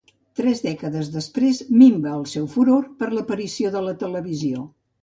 Tres dècades després, minva el seu furor per l'aparició de la televisió.